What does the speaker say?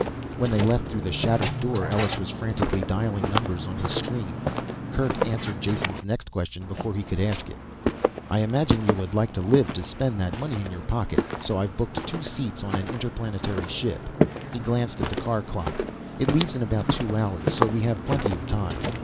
When they left through the shattered door Ellus was frantically dialing numbers on his screen. Kerk answered Jason's next question before he could ask it. "I imagine you would like to live to spend that money in your pocket, so I've booked two seats on an interplanetary ship," he glanced at the car clock. "It leaves in about two hours so we have plenty of time.